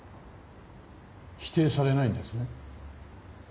否定されないんですね。